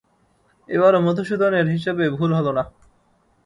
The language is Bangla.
এবারও মধুসূদনের হিসেবে ভুল হল না।